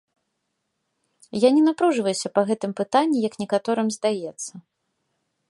Я не напружваюся па гэтым пытанні, як некаторым здаецца.